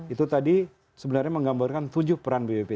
itu tadi sebenarnya menggambarkan tujuh peran bpp